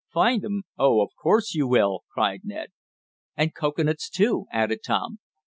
"Find 'em? Of course you will!" cried Ned. "And cocoanuts, too," added Tom.